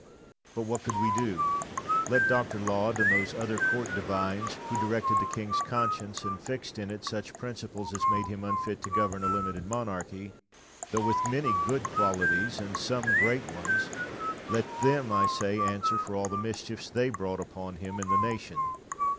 But what could we do? Let Dr. Laud and those other court divines, who directed the king's conscience, and fixed in it such principles as made him unfit to govern a limited monarchy though with many good qualities, and some great ones let them, I say, answer for all the mischiefs they brought upon him and the nation.